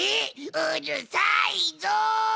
うるさいぞ！